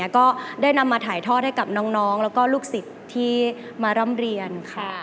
ก็ได้นำมาถ่ายทอดให้กับน้องแล้วก็ลูกศิษย์ที่มาร่ำเรียนค่ะ